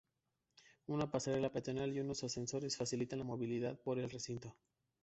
Una pasarela peatonal y unos ascensores facilitan la movilidad por el recinto.